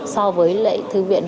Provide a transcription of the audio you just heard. so với lệ thư viện